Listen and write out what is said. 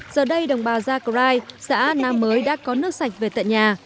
giờ đây đồng bào gia cơ rai xã nam mới đã có nước sạch về tại nhà